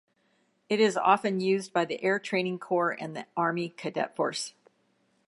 It is often used by the Air Training Corps and the Army Cadet Force.